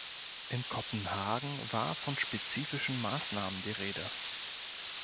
In Kopenhagen war von spezifischen Maßnahmen die Rede.